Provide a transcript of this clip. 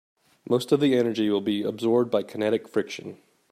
Most of the energy will be absorbed by kinetic friction.